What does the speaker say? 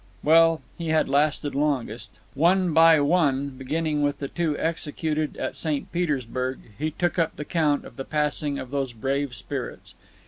Well, he had lasted longest. One by one, beginning with the two executed at St. Petersburg, he took up the count of the passing of those brave spirits.